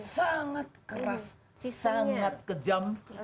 sangat keras sangat kejam